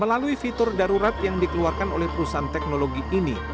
melalui fitur darurat yang dikeluarkan oleh perusahaan teknologi ini